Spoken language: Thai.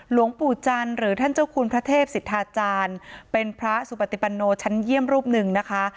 หลวงปู่จันทร์หรือท่านเจ้าคุณพระเทพสิทธาจารย์เป็นพระสุปติปันโนชั้นเยี่ยมรูปหนึ่งนะคะ